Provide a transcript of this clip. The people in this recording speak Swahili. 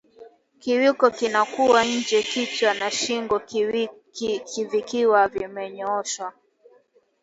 Kiwiko kinakuwa nje kichwa na shingo vikiwa vimenyooshwa